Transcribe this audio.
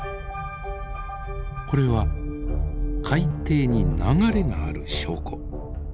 これは海底に流れがある証拠。